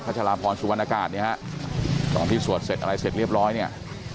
พระชาวาพรชุวรรณกาศตอนที่สวดเสร็จอะไรเสร็จเรียบร้อย